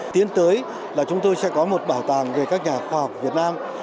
tiến tới là chúng tôi sẽ có một bảo tàng về các nhà khoa học việt nam